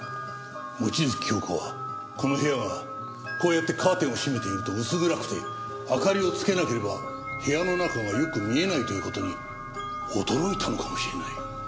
望月京子はこの部屋がこうやってカーテンを閉めていると薄暗くて明かりをつけなければ部屋の中がよく見えないという事に驚いたのかもしれない。